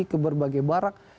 ke berbagai barak